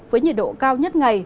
với nhiệt độ cao nhất ngày